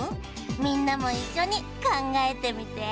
みんなもいっしょにかんがえてみて。